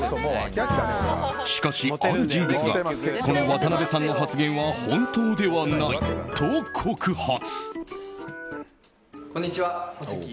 しかし、ある人物がこの渡邊さんの発言は本当ではないと告発。